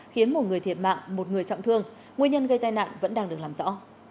khiến một người thiệt mạng một người trọng thương nguyên nhân gây tai nạn vẫn đang được làm rõ